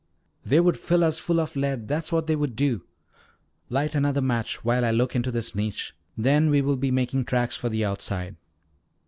"They would fill us full of lead, that's what they would do. Light another match while I look into this niche. Then we will be making tracks for the outside."